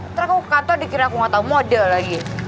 ntar aku ke kantor dikira aku gak tau model lagi